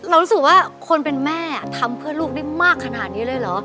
รู้สึกว่าคนเป็นแม่ทำเพื่อลูกได้มากขนาดนี้เลยเหรอ